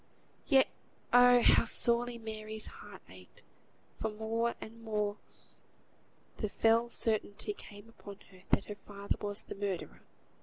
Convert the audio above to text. Yet oh! how sorely Mary's heart ached; for more and more the fell certainty came on her that her father was the murderer!